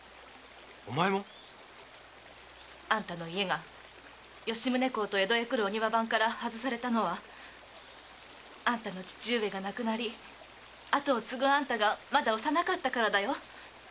お前も？あんたの家が吉宗公と江戸へ来るお庭番から外されたのはあんたの父上が亡くなり跡を継ぐあんたがまだ幼かったからだよ。